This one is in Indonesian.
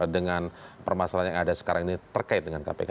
dengan permasalahan yang ada sekarang ini terkait dengan kpk